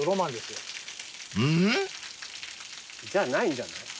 ［ん？］じゃないんじゃない？